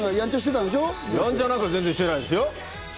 ヤンチャなんか全然してないですよ。